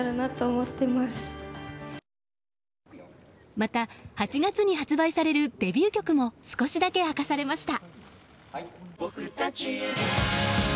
また８月に発売されるデビュー曲も少しだけ明かされました。